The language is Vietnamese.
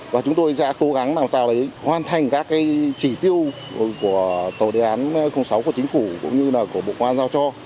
và chúng tôi sẽ cố gắng làm sao đấy hoàn thành các chỉ tiêu của tổ đề án sáu của chính phủ cũng như là của bộ công an giao cho